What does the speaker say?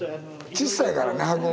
ちっさいからな箱が。